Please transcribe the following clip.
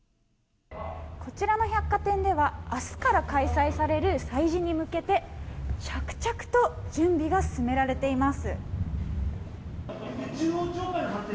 こちらの百貨店では明日から開催される催事に向けて着々と準備が進められています。